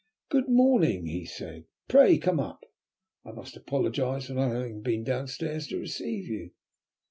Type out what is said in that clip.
"Good morning," he said, "pray come up. I must apologize for not having been down stairs to receive you."